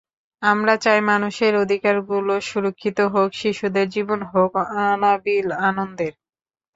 আমরা চাই মানুষের অধিকারগুলো সুরক্ষিত হোক, শিশুদের জীবন হোক অনাবিল আনন্দের।